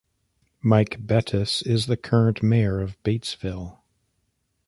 Mike Bettice is the current mayor of Batesville.